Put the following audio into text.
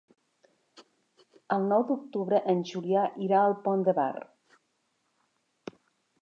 El nou d'octubre en Julià irà al Pont de Bar.